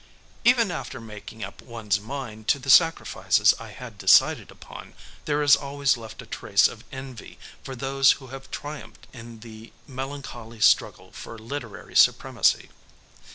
Even after making up one's mind to the sacrifices I had decided upon, there is always left a trace of envy for those who have triumphed in the melancholy struggle for literary supremacy.